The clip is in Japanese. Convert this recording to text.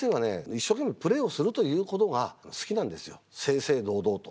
一生懸命プレーをするということが好きなんですよ。